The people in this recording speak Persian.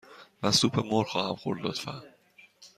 من سوپ مرغ خواهم خورد، لطفاً.